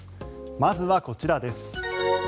まずはこちらです。